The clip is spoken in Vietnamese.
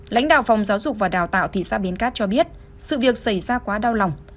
lãnh đạo phòng giáo dục và đào tạo thị xã bến cát cho biết sự việc xảy ra quá đau lòng